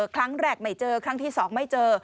ครั้งแรกไม่เจอครั้งที่๒ไม่เจอ